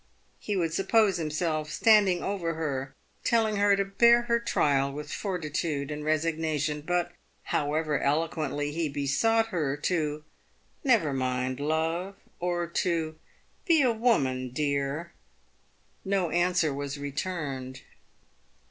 He would suppose himself standing over her, telling her to bear her trial with fortitude and resignation, but, however eloquently he besought her to " STever mind, love," or to " Be a woman, dear," no answer was returned.